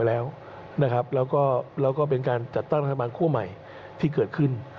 แล้วก็เป็นการจัดตั้งรัฐบาลคั่วใหม่ที่เกิดขึ้น